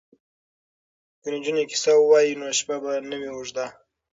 که نجونې کیسه ووايي نو شپه به نه وي اوږده.